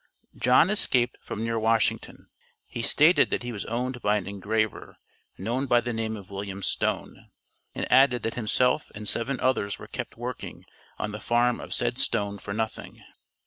John escaped from near Washington. He stated that he was owned by an engraver, known by the name of William Stone, and added that himself and seven others were kept working on the farm of said Stone for nothing.